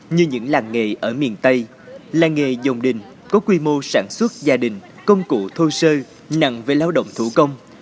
như những làng nghề ở miền tây làng nghề dòng đình có quy mô sản xuất gia đình công cụ thô sơ nặng về lao động thủ công